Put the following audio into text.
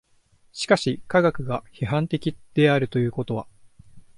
しかし科学が批判的であるということは